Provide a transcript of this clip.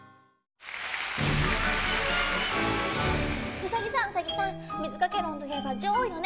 ウサギさんウサギさん水掛け論といえば女王よね。